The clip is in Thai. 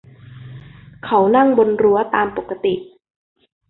เขานั่งบนรั้วตามปกติ